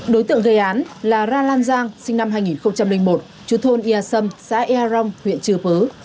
đối tượng gây án là ra lan giang sinh năm hai nghìn một chú thôn yà sâm xã yà rong huyện chư pư